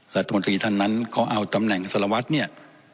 รัฐมนตรีท่านนั้นเขาเอาตำแหน่งสารวัตรเนี่ย